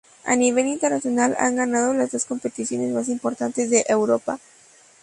A nivel internacional, han ganado las dos competiciones más importantes de Europa.